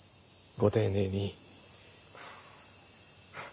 ご丁寧に。